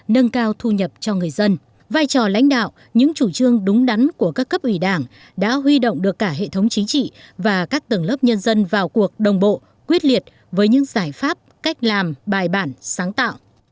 nâng cao thu nhập cho người dân vai trò lãnh đạo những chủ trương đúng đắn của các cấp ủy đảng đã huy động được cả hệ thống chính trị và các tầng lớp nhân dân vào cuộc đồng bộ quyết liệt với những giải pháp cách làm bài bản sáng tạo